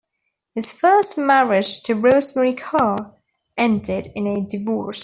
His first marriage to Rosemary Carr, ended in a divorce.